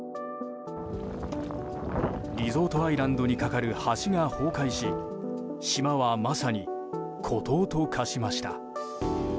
リゾートアイランドに架かる橋が崩壊し島は、まさに孤島と化しました。